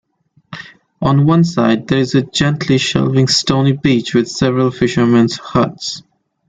On one side there is a gently shelving stony beach with several fishermen's huts.